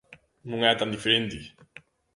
Non é tan diferente.